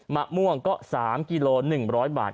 มะม่วงก็๓กิโล๑๐๐บาท